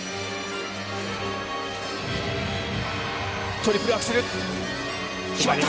トリプルアクセル決まった！